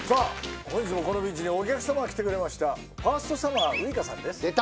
本日もこのビーチにお客様が来てくれましたファーストサマーウイカさんです出た！